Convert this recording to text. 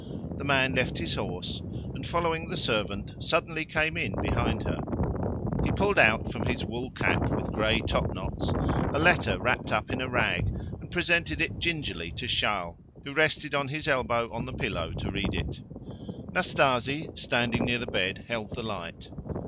The man left his horse, and, following the servant, suddenly came in behind her. He pulled out from his wool cap with grey top knots a letter wrapped up in a rag and presented it gingerly to Charles, who rested on his elbow on the pillow to read it. Natasie, standing near the bed, held the light.